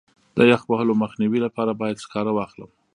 د یخ وهلو مخنیوي لپاره باید سکاره واخلم.